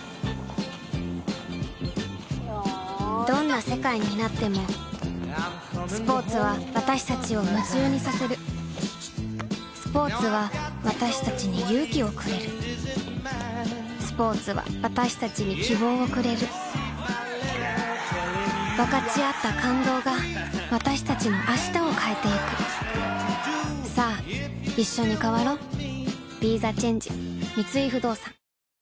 どんな世界になってもスポーツは私たちを夢中にさせるスポーツは私たちに勇気をくれるスポーツは私たちに希望をくれる分かち合った感動が私たちの明日を変えてゆくさあいっしょに変わろう